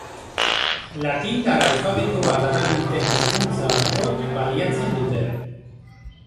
Latindar alfabetoa darabilten hizkuntza askok baliatzen dute.